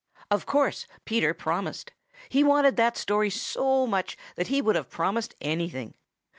Of course Peter promised. He wanted that story so much that he would have promised anything.